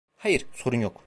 Hayır, sorun yok.